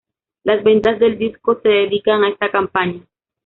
Las ventas del disco se dedican a esta campaña.